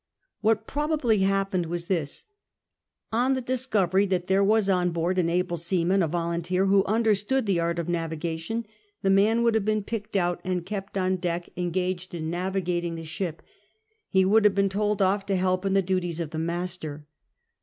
What probably happened was this ;— On the discovery that there was on ])oard an able seaman, a volunteer, who understood the art of navigation, the man would have been picked out and kept on deck engaged in navigating ITl PROMOTION 29 the ship. He would have been told off to help in the duties of the master.